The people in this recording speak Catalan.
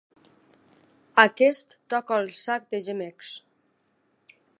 Aquest toca el sac de gemecs.